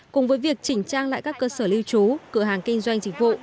cùng với việc chỉnh trang lại các cơ sở lưu trú cửa hàng kinh doanh dịch vụ